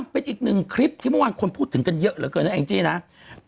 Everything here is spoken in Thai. เป็นอีกหนึ่งคลิปที่เมื่อวานคนพูดถึงกันเยอะเหลือเกินนะแองจี้นะ